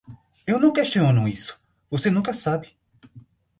Eu não questiono isso, você nunca sabe.